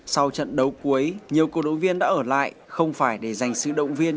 sau trận đấu cuối nhiều cổ động viên đã ở lại